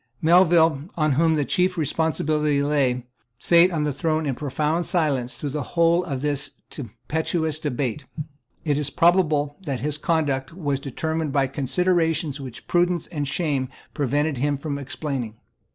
Melville, on whom the chief responsibility lay, sate on the throne in profound silence through the whole of this tempestuous debate. It is probable that his conduct was determined by considerations which prudence and shame prevented him from explaining.